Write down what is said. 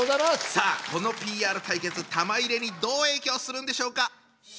さあこの対決玉入れにどう影響するんでしょうか？